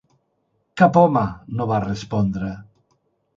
Cap home no va respondre.